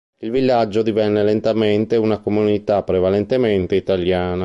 Il villaggio divenne lentamente divenne una comunità prevalentemente italiana.